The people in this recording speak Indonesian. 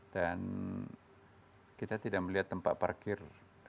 dan kita tidak melihat tempat parkir